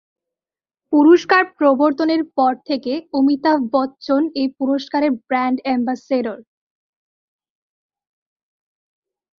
পুরস্কার প্রবর্তনের পর থেকে অমিতাভ বচ্চন এই পুরস্কারের ব্র্যান্ড অ্যাম্বাসেডর।